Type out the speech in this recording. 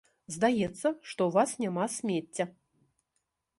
Здаецца, што ў вас няма смецця.